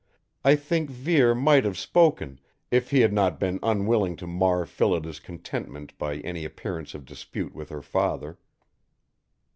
I think Vere might have spoken, if he had not been unwilling to mar Phillida's contentment by any appearance of dispute with her father.